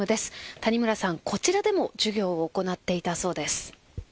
谷村さん、こちらでも授業を行っていたそうです。